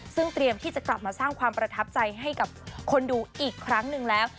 ซึ่งเตรียมที่จะกลับมาสร้างความประทับใจให้กับคนดูอีกครั้งหนึ่งแล้ว